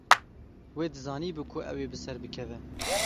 Wê dizanîbû ku ew ê bi ser bikeve.